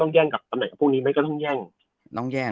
ต้องแย่งกิลิชอย่ามีโทษดีจอเรนกองกลางก็ได้